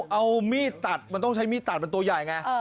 เอามีดตัดมันต้องใช้มีดตัดมันตัวใหญ่ไง